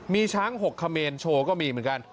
มีช้าง๖เขมรโชว์ก็มีเหมือนกัน